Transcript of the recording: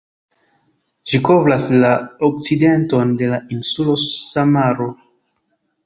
Ĝi kovras la okcidenton de la insulo Samaro.